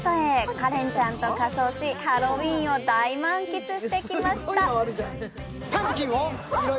花恋ちゃんと仮装し、ハロウィーンを大満喫してきました。